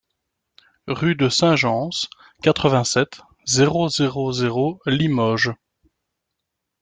Rue de Saint Gence, quatre-vingt-sept, zéro zéro zéro Limoges